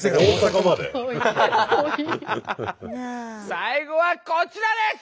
最後はこちらです！